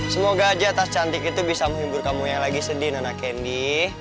semoga aja tas cantik itu bisa menghibur kamu yang lagi sedih nana kendi